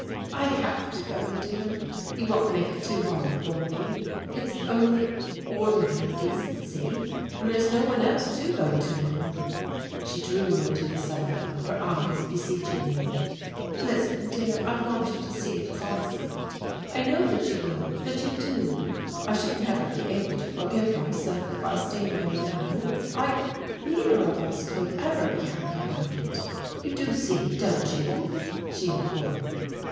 "I have to go, dear you won't make it too hard for me! It's only ordinary decency, and there's no one else to go to him." She drew me to the sofa, her eyes beseeching me. "Listen, dear, I want you to see it as I see it. I know that you will, that you do. I should never be able to forgive myself if I stayed away now, I neither of us could ever be happy about it. You do see, don't you?" she implored.